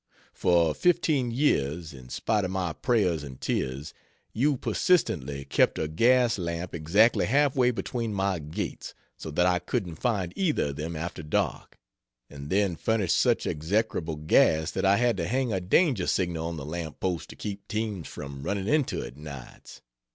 For fifteen years, in spite of my prayers and tears, you persistently kept a gas lamp exactly half way between my gates, so that I couldn't find either of them after dark; and then furnished such execrable gas that I had to hang a danger signal on the lamp post to keep teams from running into it, nights.